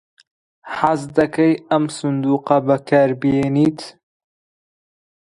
حەز دەکەیت ئەم سندووقە بەکاربهێنیت؟